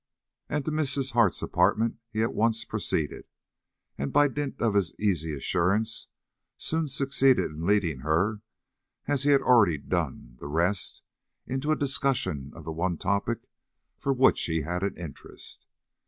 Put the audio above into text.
And to Mrs. Hart's apartment he at once proceeded, and, by dint of his easy assurance, soon succeeded in leading her, as he had already done the rest, into a discussion of the one topic for which he had an interest.